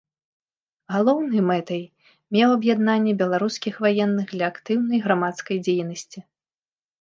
Галоўнай мэтай меў аб'яднанне беларускіх ваенных для актыўнай грамадскай дзейнасці.